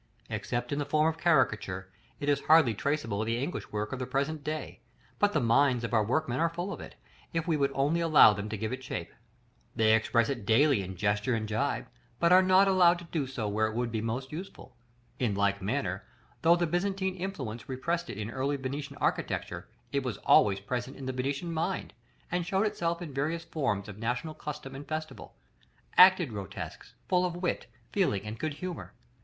Except in the form of caricature, it is hardly traceable in the English work of the present day; but the minds of our workmen are full of it, if we would only allow them to give it shape. They express it daily in gesture and gibe, but are not allowed to do so where it would be useful. In like manner, though the Byzantine influence repressed it in the early Venetian architecture, it was always present in the Venetian mind, and showed itself in various forms of national custom and festival; acted grotesques, full of wit, feeling, and good humor.